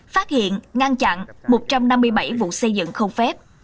phát hiện ngăn chặn một trăm năm mươi bảy vụ xây dựng không phép